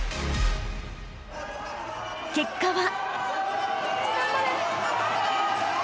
［結果は］